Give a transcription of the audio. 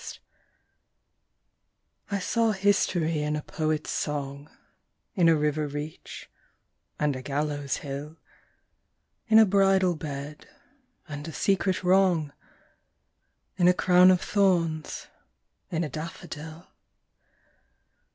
SYMBOLS I saw history in a poet's song, In a river reach and a gallows hill, In a bridal bed, and a secret wrong, In a crown of thorns: in a daffodil.